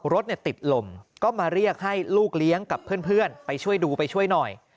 รถติดลมก็มาเรียกให้ลูกเลี้ยงกับเพื่อนไปช่วยดูไปช่วยหน่อย